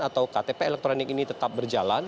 atau ktp elektronik ini tetap berjalan